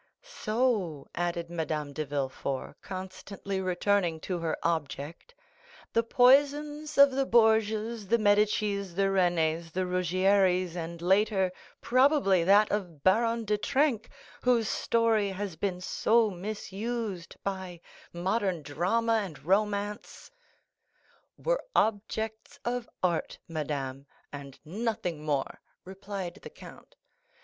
"So," added Madame de Villefort, constantly returning to her object, "the poisons of the Borgias, the Medicis, the Renées, the Ruggieris, and later, probably, that of Baron de Trenck, whose story has been so misused by modern drama and romance——" "Were objects of art, madame, and nothing more," replied the count.